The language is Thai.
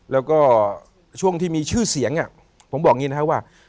แล้วก็ช่วงที่มีชื่อเสียงอ่ะผมบอกงี้นะฮะว่า